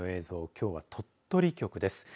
きょうは鳥取局です。